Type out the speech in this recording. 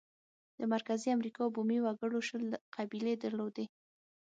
د مرکزي امریکا بومي وګړو شل قبیلې درلودې.